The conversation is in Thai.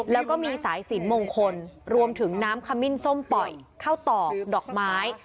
แล้วก็มีสายสินมงคลรวมถึงน้ำขมิ้นส้มปล่อยข้าวตอกดอกไม้